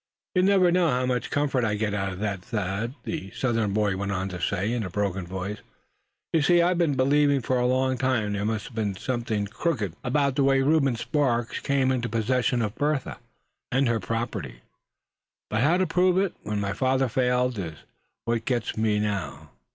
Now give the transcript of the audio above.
"You'll never know how much comfort I get out of that, Thad," the Southern boy went on to say, in a broken voice. "You see, I've been believing for a long time that there must have been something crooked about the way Reuben Sparks came into possession of Bertha, and her property. But how to prove it, when my father failed, is what gets me now.